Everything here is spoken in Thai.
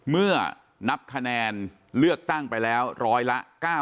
เมื่อนับคะแนนเลือกตั้งไปแล้วร้อยละ๙๐